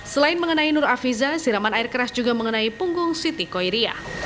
selain mengenai nur afiza siraman air keras juga mengenai punggung siti koiriah